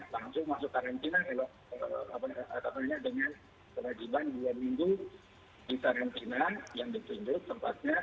langsung masuk karantina dengan kewajiban dua minggu di karantina yang ditunjuk tempatnya